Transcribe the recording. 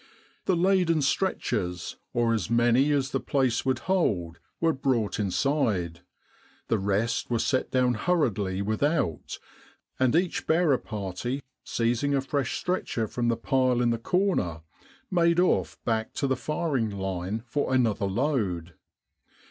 The laden stretchers, or as many as the place would hold, were brought inside. The rest were set down hurriedly without, and each bearer party seizing a fresh stretcher from the pile in the corner, made off back to the firing line for another load.